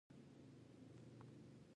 آیا په پوره ایمانداري سره نه دی؟